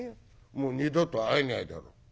もう二度と会えないだろう。